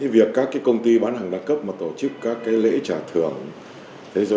việc các công ty bán hàng đa cấp tổ chức các lễ trả thưởng